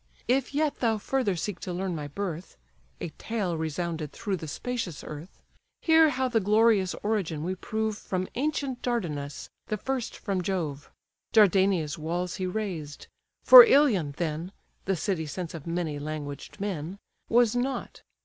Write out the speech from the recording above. If yet thou further seek to learn my birth (A tale resounded through the spacious earth) Hear how the glorious origin we prove From ancient Dardanus, the first from Jove: Dardania's walls he raised; for Ilion, then, (The city since of many languaged men,) Was not.